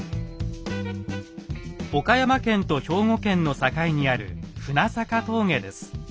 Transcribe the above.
岡山県と兵庫県の境にある船坂峠です。